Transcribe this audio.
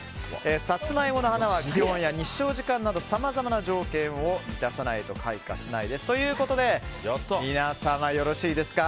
サツマイモの花は気温や日照時間などさまざまな条件を満たさないと開花しないですということで皆様、よろしいですか。